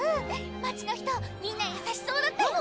街の人みんな優しそうだったよ。